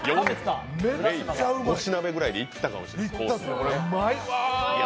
５品目ぐらいでいったかもしれませんね。